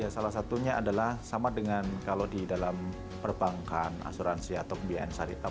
salah satunya adalah sama dengan kalau di dalam perbankan asuransi atau pembiayaan syariah